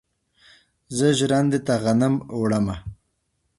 زه ژرندې ته غنم وړم.